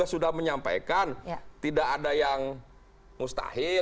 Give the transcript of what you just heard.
sudah menyampaikan tidak ada yang mustahil